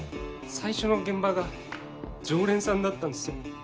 最初の現場が常連さんだったんすよ。